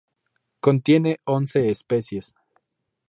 Contiene once especies.